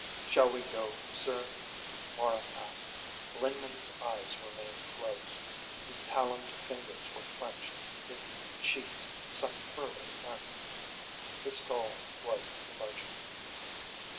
"Shall we go, sir?" Morran asked. Lingman's eyes remained closed. His taloned fingers were clenched, his cheeks sunk further in. The skull was emerging.